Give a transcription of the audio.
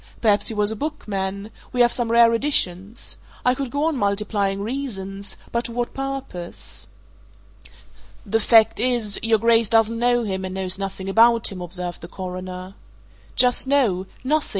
Perhaps he was a bookman we have some rare editions. I could go on multiplying reasons but to what purpose?" "The fact is, your Grace doesn't know him and knows nothing about him," observed the Coroner. "Just so nothing!"